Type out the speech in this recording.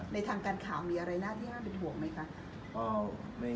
ในทางการข่าวมีอะไรน่าที่น่าเป็นห่วงไหมคะ